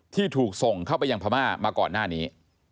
ที่ถูกส่งเข้าไปยังพม่ามาก่อนหน้านี้